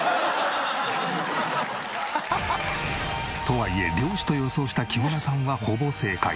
とはいえ「漁師」と予想した木村さんはほぼ正解。